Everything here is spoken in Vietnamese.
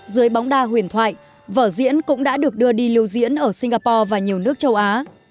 dưới bóng đa huyền thoại vở diễn cũng đã được đưa đi lưu diễn ở singapore và nhiều nước châu á